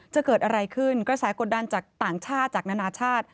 จะเกิดอะไรขึ้นกระแสกดดันจากต่างชาติจากนานาชาติ